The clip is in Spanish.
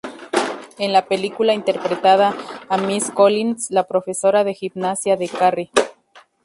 En la película interpretaba a "Miss Collins", la profesora de gimnasia de "Carrie".